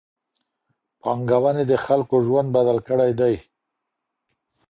پانګونې د خلګو ژوند بدل کړی دی.